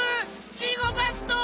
ジゴバット！